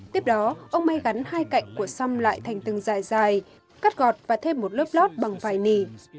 tiếp đó ông may gắn hai cạnh của xong lại thành từng dài dài cắt gọt và thêm một lớp lót bằng vài nì